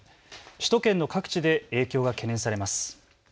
首都圏の各地で影響が懸念されます。